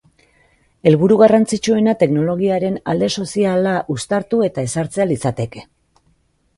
Helburu garrantzitsuena teknologiaren alde soziala uztartu eta ezartzea litzateke.